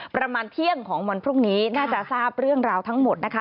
ประมาณเที่ยงของวันพรุ่งนี้น่าจะทราบเรื่องราวทั้งหมดนะคะ